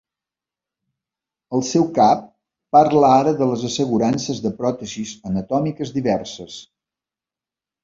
El seu cap parla ara de les assegurances de pròtesis anatòmiques diverses.